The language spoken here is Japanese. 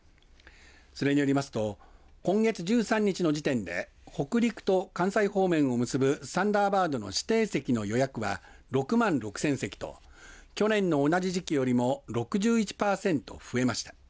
それによりますと今月１３日の時点で北陸と関西方面を結ぶサンダーバードの指定席の予約は６万６０００席と去年の同じ時期よりも６１パーセント増えました。